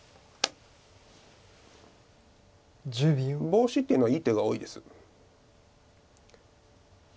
ボウシっていうのはいい手が多いです。